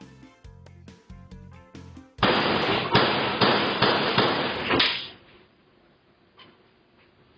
เข้าไป